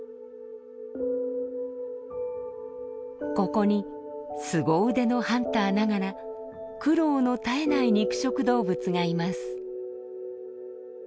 ここにすご腕のハンターながら苦労の絶えない肉食動物がいます。